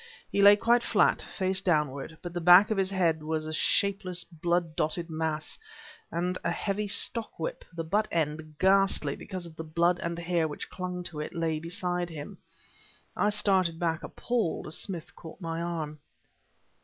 He lay quite flat, face downward; but the back of his head was a shapeless blood dotted mass, and a heavy stock whip, the butt end ghastly because of the blood and hair which clung to it, lay beside him. I started back appalled as Smith caught my arm.